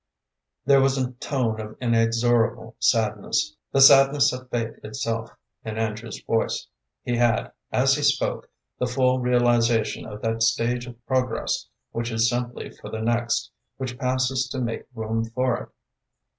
There was a tone of inexorable sadness, the sadness of fate itself in Andrew's voice. He had, as he spoke, the full realization of that stage of progress which is simply for the next, which passes to make room for it.